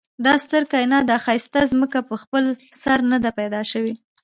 دا ستر کاينات دا ښايسته ځمکه په خپل سر ندي پيدا شوي